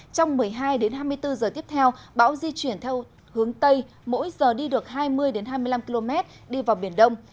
trong một mươi hai hai mươi bốn giờ tiếp theo bão di chuyển theo hướng tây mỗi giờ đi được hai mươi hai mươi năm km đi vào biển đông